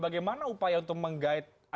bagaimana upaya untuk meng guide